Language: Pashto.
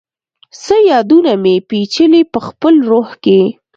څه یادونه مي، پیچلي پخپل روح کي